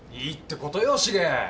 いいってことよシゲ。